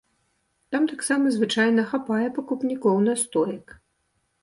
Там таксама звычайна хапае пакупнікоў настоек.